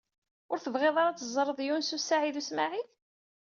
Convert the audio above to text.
Ur tebɣiḍ ara ad teẓṛeḍ Yunes u Saɛid u Smaɛil?